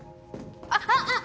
あっあっ！